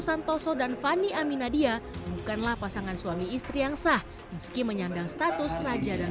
santoso dan fani aminadia bukanlah pasangan suami istri yang sah meski menyandang status raja dan